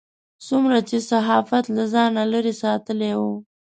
څومره چې صحافت له ځانه لرې ساتلی و.